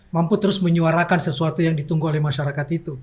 mampu terus menyuarakan sesuatu yang ditunggu oleh masyarakat itu